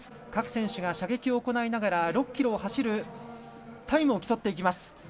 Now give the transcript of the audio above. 各選手が射撃を行いながら６ｋｍを走るタイムを競っていきます。